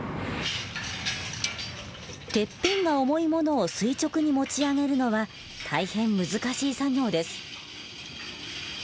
てっぺんが重いものを垂直に持ち上げるのは大変難しい作業です。